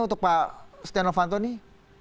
untuk pak setia novanto nih